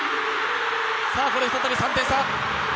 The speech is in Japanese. これで再び３点差。